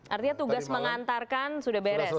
artinya tugas mengantarkan sudah beres